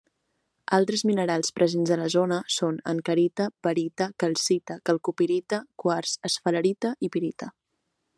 Altres minerals presents a la zona són ankerita, barita, calcita, calcopirita, quars, esfalerita i pirita.